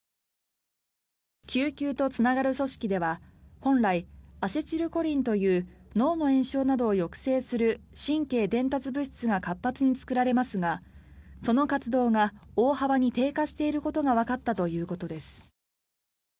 嗅球とつながる組織では本来アセチルコリンという脳の炎症などを抑制する神経伝達物質が活発に作られますがその活動が大幅に低下していることがわかったということです。